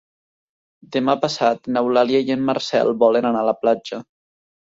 Demà passat n'Eulàlia i en Marcel volen anar a la platja.